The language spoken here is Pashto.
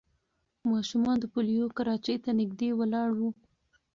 ماشومان د پولیو کراچۍ ته نږدې ولاړ وو.